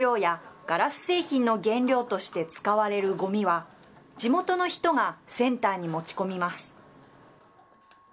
発電機の燃料やガラス製品の原料として使われるごみは、地元の人がセンターに持ち込みます。